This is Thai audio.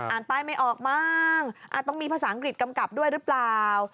ป้ายไม่ออกมั้งอาจต้องมีภาษาอังกฤษกำกับด้วยหรือเปล่า